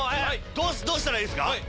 どうしたらいいですか？